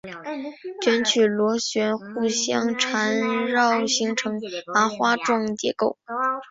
卷曲螺旋互相缠绕形成麻花状结构。